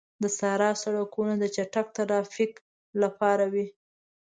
د صحرا سړکونه د چټک ترافیک لپاره وي.